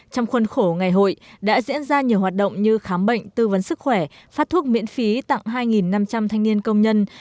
trong khuôn khổ ngày hội đã diễn ra nhiều hoạt động như khám bệnh tư vấn sức khỏe phát thuốc miễn phí tặng hai năm trăm linh thanh niên công nhân